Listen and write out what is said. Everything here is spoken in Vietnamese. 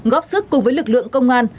góp sức cùng với lực lượng công an